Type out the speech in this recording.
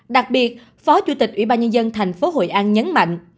đặc biệt phó chủ tịch ủy ban nhân dân thành phố hội an nhấn mạnh